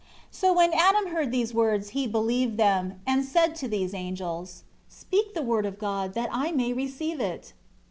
11 So when Adam heard these words he believed them, and said to these angels, "Speak the Word of God, that I may receive it."